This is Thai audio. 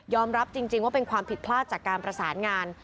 รับจริงว่าเป็นความผิดพลาดจากการประสานงาน